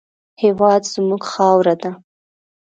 هېواد زموږ خاوره ده